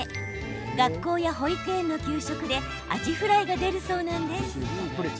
学校や保育園の給食でアジフライが出るそうなんです。